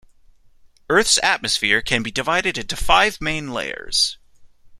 Earth's atmosphere can be divided into five main layers.